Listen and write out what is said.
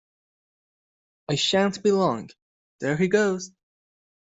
I shan’t be long. There he goes!